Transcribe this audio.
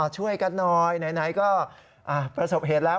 ช่วยกันหน่อยไหนก็ประสบเหตุแล้ว